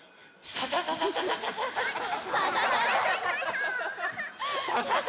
サササササ。